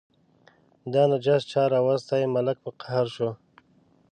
دا نجس چا راوستی، ملک په قهر شو.